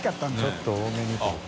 ちょっと多めにってこと。